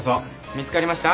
見つかりました？